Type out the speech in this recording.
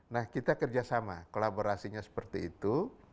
nah kita kerjasama kolaborasinya seperti itu